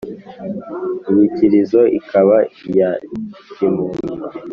Inyikilizo ikaba iya kimuntu